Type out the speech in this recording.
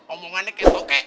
omongannya kayak mau kek